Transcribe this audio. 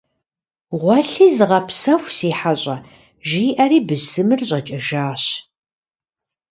- Гъуэлъи зыгъэпсэху, си хьэщӀэ! - жиӀэри бысымыр щӀэкӀыжащ.